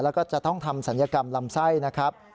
แล้วก็จะต้องทำศัลยกรรมลำไส้นะครับ